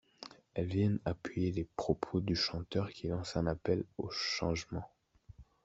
Elles viennent appuyer les propos du chanteur qui lance un appel au changement.